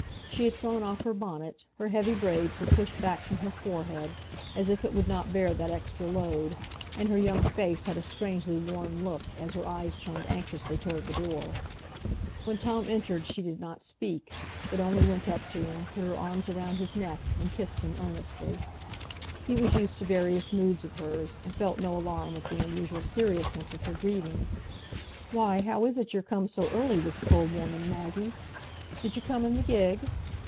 She had thrown off her bonnet, her heavy braids were pushed back from her forehead, as if it would not bear that extra load, and her young face had a strangely worn look, as her eyes turned anxiously toward the door. When Tom entered she did not speak, but only went up to him, put her arms round his neck, and kissed him earnestly. He was used to various moods of hers, and felt no alarm at the unusual seriousness of her greeting. "Why, how is it you're come so early this cold morning, Maggie? Did you come in the gig?"